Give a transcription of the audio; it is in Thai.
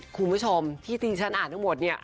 คุณผู้ชมพิธีชันอ่านทั้งหมดเนี่ย